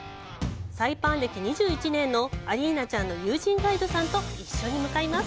サイパン歴２１年のアリーナちゃんの友人ガイドさんと一緒に向かいます。